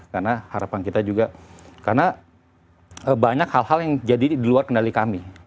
karena harapan kita juga karena banyak hal hal yang jadi di luar kendali kami